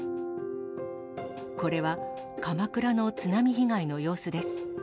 これは鎌倉の津波被害の様子です。